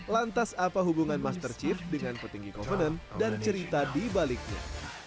lantas apa hubungan master chief dengan petinggi covenant dan cerita dibaliknya